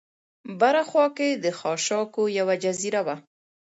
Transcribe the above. بره خوا کې د خاشاکو یوه جزیره وه.